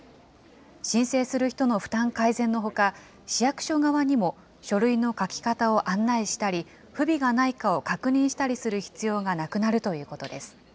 申請する人の負担改善のほか、市役所側にも書類の書き方を案内したり、不備がないかを確認したりする必要がなくなるということです。